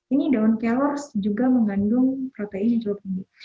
ini daun kelor juga mengandung protein yang cukup tinggi